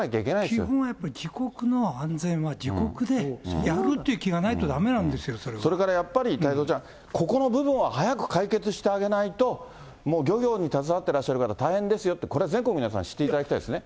基本はやっぱり自国の安全は自国でやるという気がないとだめそれからやっぱり太蔵ちゃん、ここの部分は早く解決してあげないと、もう漁業に携わってらっしゃる方、大変ですよって、これは全国の皆さんに知っていただきたいですね。